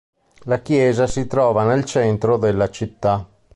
La chiesa si trova nel centro della città.